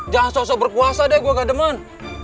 jangan sok sok berkuasa deh gue gak demen